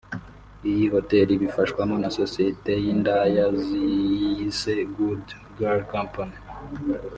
Iyi hoteli ibifashwamo na sosiyete y’indaya ziyise Good Girls Company